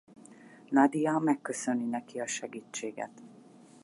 Nadia megköszöni neki a segítséget.